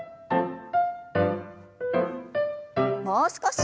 もう少し。